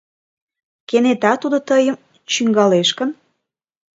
Кенета тудо тыйым чӱҥгалеш гын…